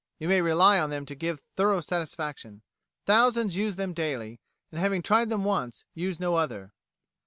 You may rely on them to give thorough satisfaction. Thousands use them daily, and having tried them once, use no other.